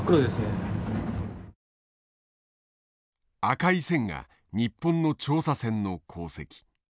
赤い線が日本の調査船の航跡。